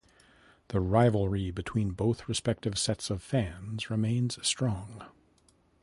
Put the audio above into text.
The rivalry between both respective sets of fans remains strong.